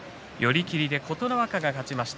寄り切りで琴ノ若が勝ちました。